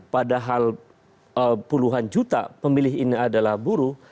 padahal puluhan juta pemilih ini adalah buruh